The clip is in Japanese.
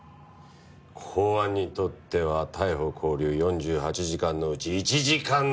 公安にとっては逮捕・勾留４８時間のうち１時間でも渡したくない。